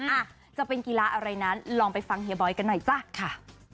อาจจะเป็นกีฬาอะไรนั้นลองไปฟังเฮียบอยกันหน่อยจ้ะค่ะ